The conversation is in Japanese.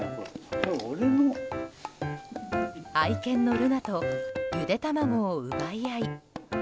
愛犬のルナとゆで卵を奪い合い。